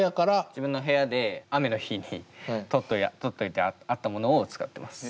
自分の部屋で雨の日にとっておいてあったものを使ってます。